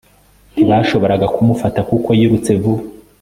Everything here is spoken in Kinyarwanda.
ntibashoboraga kumufata kuko yirutse vuba